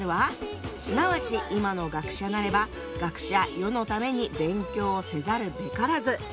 「すなわち今の学者なれば学者世のために勉強をせざるべからず」。